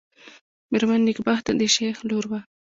مېرمن نېکبخته د شېخ لور وه.